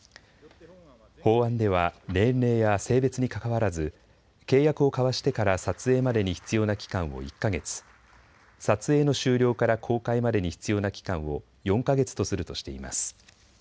法案では年齢や性別にかかわらず契約を交わしてから撮影までに必要な期間を１か月、撮影の終了から公開までに必要な期間を４か月とするとしています。